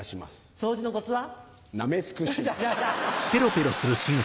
掃除のコツは？